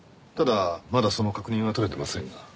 ただまだその確認はとれてませんが。